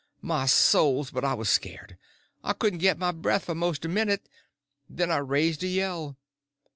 My souls, but I was scared! I couldn't get my breath for most a minute. Then I raised a yell.